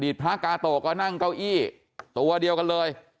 พระกาโตก็นั่งเก้าอี้ตัวเดียวกันเลย